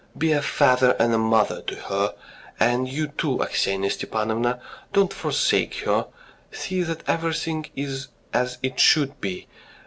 Be a father and a mother to her. And you, too, Aksinya Stepanovna, do not forsake her, see that everything is as it should be